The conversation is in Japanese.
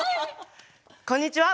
こんにちは！